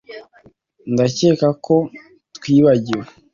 ndakeka ko twibagiwe